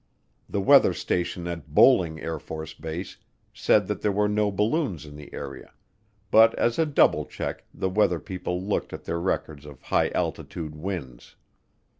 The weather station at Bolling AFB said that there were no balloons in the area, but as a double check the weather people looked at their records of high altitude winds.